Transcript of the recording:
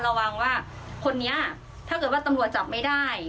ระวังว่าคนนี้ถ้าเกิดว่าตำรวจจับไม่ได้